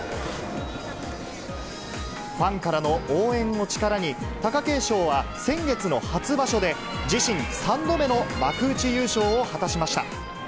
ファンからの応援を力に、貴景勝は先月の初場所で自身３度目の幕内優勝を果たしました。